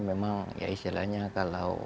memang istilahnya kalau